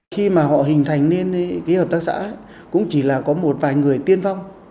khi mà họ hình thành nên cái hợp tác xã cũng chỉ là có một vài người tiên phong